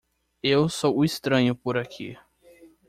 Eu sou o estranho por aqui.